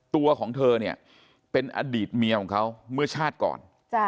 ตัวของเธอเนี่ยเป็นอดีตเมียของเขาเมื่อชาติก่อน